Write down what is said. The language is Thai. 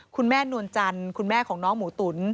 นวลจันทร์คุณแม่ของน้องหมูตุ๋น